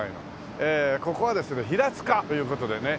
ここはですね平塚という事でね。